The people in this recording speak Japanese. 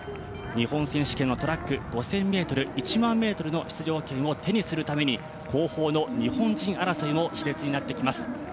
日本選手権のトラック５０００ｍ１００００ｍの出場権を手にするために後方の日本人争いもし烈になっています。